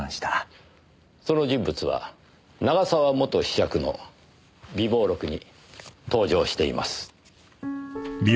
その人物は永沢元子爵の備忘録に登場しています。